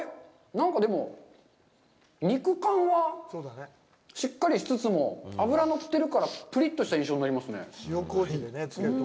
なんか、でも、肉感はしっかりしつつも脂乗ってるからプリッとした印象になりますね。